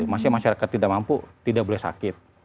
maksudnya masyarakat tidak mampu tidak boleh sakit